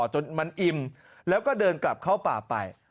จนมันอิ่มแล้วก็เดินกลับเข้าป่าไป